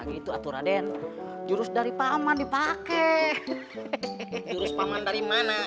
gitu atura den jurus dari paman dipakai